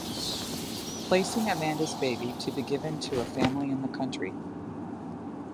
Placing Amanda's baby to be given to a family in the country.